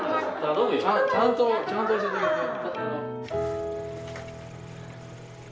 ちゃんとちゃんと教えてあげてよ。